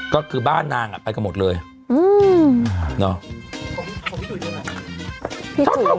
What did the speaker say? ก็คือบ้านนางอะไปกับหมดเลยอืมเนาะ